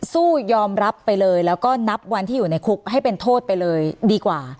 สู้ยอมรับไปเลยแล้วก็นับวันที่อยู่ในคุกให้เป็นโทษไปเลยดีกว่า